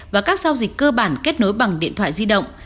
và các giao dịch cơ bản kết nối bằng điện thoại di động